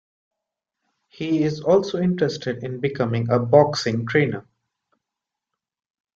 He is also interested in becoming a boxing trainer.